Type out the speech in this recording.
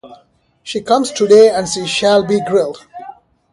She comes today and she shall be grilled.